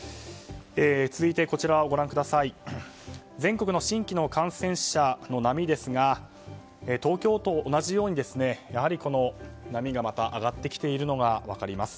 続いて、こちらは全国の新規の感染者の波ですが東京と同じようにやはりこの波が上がってきているのが分かります。